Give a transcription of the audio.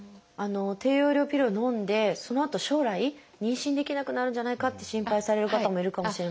低用量ピルをのんでそのあと将来妊娠できなくなるんじゃないかって心配される方もいるかもしれませんが。